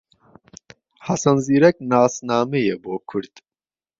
حەسەن زیرەک ناسنامەیە بۆ کورد